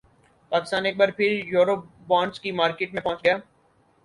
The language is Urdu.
پاکستان ایک بار پھر یورو بانڈز کی مارکیٹ میں پہنچ گیا